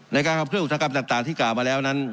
ในการขับเคลื่ออุตสาหกรรมต่างที่กล่าวมาแล้วนั้น